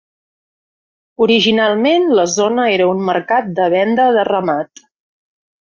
Originalment, la zona era un mercat de venda de ramat.